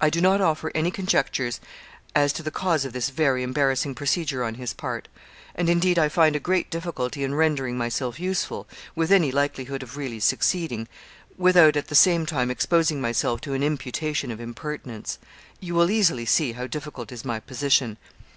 'I do not offer any conjectures as to the cause of this very embarrassing procedure on his part; and indeed I find a great difficulty in rendering myself useful, with any likelihood of really succeeding, without at the same exposing myself to an imputation of impertinence. You will easily see how difficult is my position.